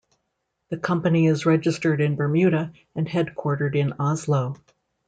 The company is registered in Bermuda and headquartered in Oslo.